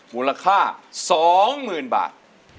มูลค่า๒๐๐๐๐บาท